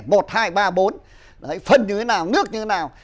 phân như thế nào nước như thế nào